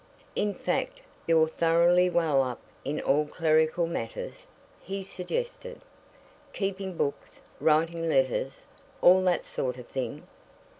"In fact, you're thoroughly well up in all clerical matters?" he suggested. "Keeping books, writing letters, all that sort of thing?"